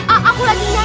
aku lagi nyari